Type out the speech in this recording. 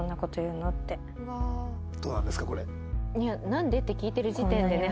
「なんで？」って聞いてる時点でね